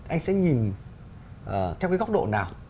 anh sẽ nhìn theo cái góc độ nào